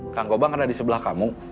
kang gobang ada di sebelah kamu